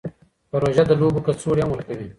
پروژه د لوبو کڅوړې هم ورکوي.